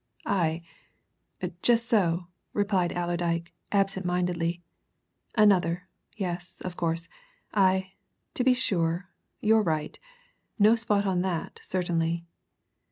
"Aye, just so," replied Allerdyke absentmindedly. "Another, yes, of course. Aye, to be sure you're right. No spot on that, certainly."